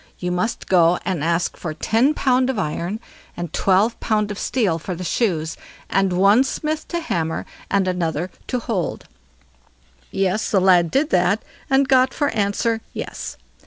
You must go and ask for ten pound of iron and twelve pound of steel for the shoes, and one smith to hammer and another to hold." Yes, the lad did that, and got for answer "Yes!"